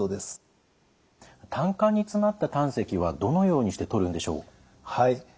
胆管に詰まった胆石はどのようにして取るんでしょう？